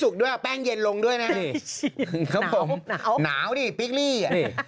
ขอโทษนะฮะนี่